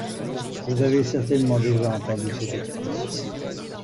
Vous avez certainement déjà entendu cette expression.